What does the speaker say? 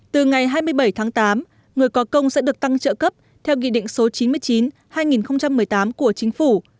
từ ngày hai mươi bảy tháng tám người có công sẽ được tăng trợ cấp theo nghị định số chín mươi chín hai nghìn một mươi tám của chính phủ